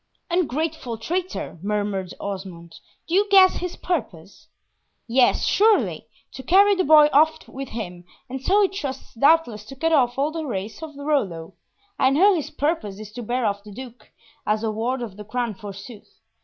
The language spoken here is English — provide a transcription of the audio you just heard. "Ungrateful traitor!" murmured Osmond. "Do you guess his purpose?" "Yes, surely, to carry the boy off with him, and so he trusts doubtless to cut off all the race of Rollo! I know his purpose is to bear off the Duke, as a ward of the Crown forsooth.